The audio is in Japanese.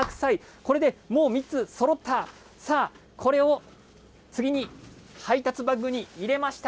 これでもう３つそろった、さあ、これを次に配達バッグに入れました。